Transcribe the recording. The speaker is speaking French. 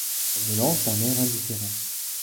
Elle me lance d'un air indifférent.